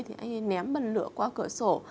thì anh ấy ném bần lửa qua cửa sổ